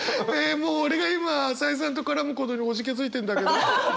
もう俺が今朝井さんと絡むことにおじけづいてんだけど。